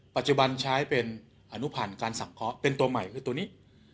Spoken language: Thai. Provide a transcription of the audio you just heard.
ปัจจุบันใช้เป็นอนุพันธ์การสังเคราะห์เป็นตัวใหม่คือตัวนี้